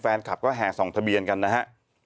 แฟนคลับก็แห่ส่องทะเบียนกันนะฮะ